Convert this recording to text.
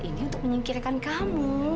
ini untuk menyingkirkan kamu